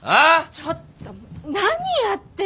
ちょっと何やってんの！